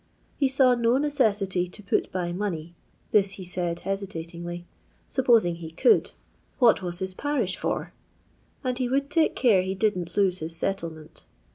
He saw no necessity to put by money (this he said hesitatingly)) supposing he could ; what was his parish for 1 and he would take care he didn't lose his settlement.